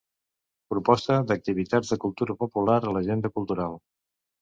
Proposta d'activitats de Cultura popular a l'Agenda Cultural.